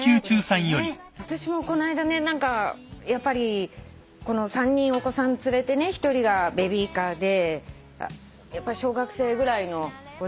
私もこの間ね何かやっぱり３人お子さん連れて一人がベビーカーでやっぱり小学生ぐらいの子で。